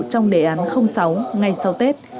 trong đề án sáu ngay sau tết